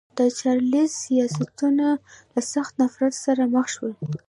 د چارلېز سیاستونه له سخت نفرت سره مخ شول.